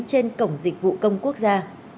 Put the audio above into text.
trên cổng dịch vụ công quốc gia